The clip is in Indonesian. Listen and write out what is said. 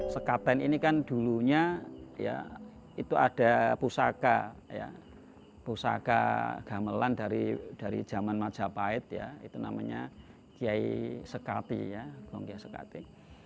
sekaten ini kan dulunya itu ada pusaka pusaka gamelan dari zaman majapahit itu namanya kiai sekati